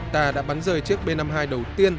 ta đã bắn rời chiếc b năm mươi hai đầu tiên